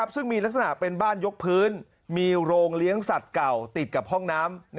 ซึ่งมีลักษณะเป็นบ้านยกพื้นมีโรงเลี้ยงสัตว์เก่าติดกับห้องน้ำ